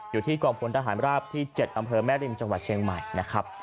อยู่ที่กองพลทหารราบที่๗อำเภอแม่ริมจังหวัดเชียงใหม่นะครับ